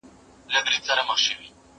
کتابونه د زده کوونکي له خوا ليکل کيږي؟